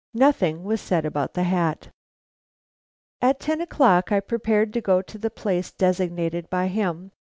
Nothing was said about the hat. At ten o'clock I prepared to go to the place designated by him.